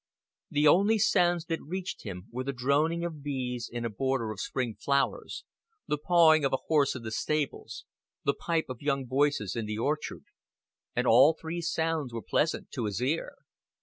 The only sounds that reached him were the droning of bees in a border of spring flowers, the pawing of a horse in the stables, the pipe of young voices in the orchard; and all three sounds were pleasant to his ear.